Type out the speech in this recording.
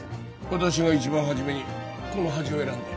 私が一番初めにこの端を選んだよ